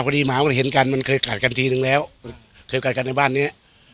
หมามันเห็นกันมันเคยกัดกันทีนึงแล้วเคยกัดกันในบ้านเนี้ย